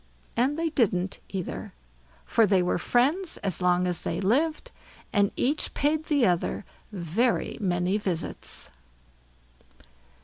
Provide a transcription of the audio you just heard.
And they didn't either; for they were friends as long as they lived, and each paid the other very many visits.